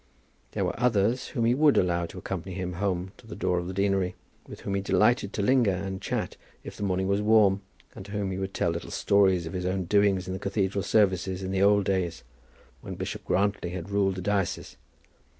There were others whom he would allow to accompany him home to the door of the deanery, with whom he delighted to linger and chat if the morning was warm, and to whom he would tell little stories of his own doings in the cathedral services in the old days, when Bishop Grantly had ruled in the diocese.